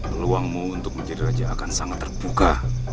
peluangmu untuk menjadi raja akan sangat terbuka